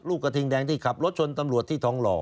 กระทิงแดงที่ขับรถชนตำรวจที่ทองหล่อ